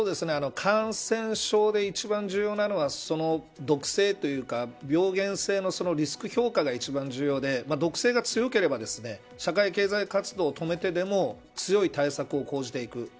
感染症で一番、重要なのはその毒性というか病原性のリスク評価が一番重要で毒性が強ければ社会経済活動を止めてでも強い対策を講じていく。